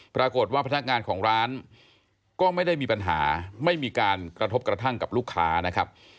พนักงานของร้านก็ไม่ได้มีปัญหาไม่มีการกระทบกระทั่งกับลูกค้านะครับ